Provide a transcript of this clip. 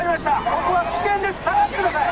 ここは危険です下がってください